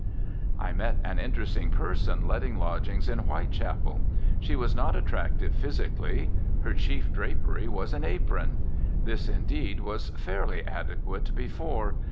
I met an interesting person letting lodgings in Whitechapel. She was not attractive physically. Her chief drapery was an apron. This, indeed, was fairly adequate before.